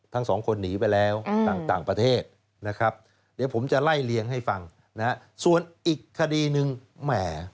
ทั้งสองคนหนีไปแล้วต่างต่างประเทศนะครับเดี๋ยวผมจะไล่เลี้ยงให้ฟังนะฮะส่วนอีกคดีหนึ่งแหม